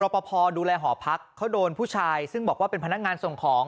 ปภดูแลหอพักเขาโดนผู้ชายซึ่งบอกว่าเป็นพนักงานส่งของ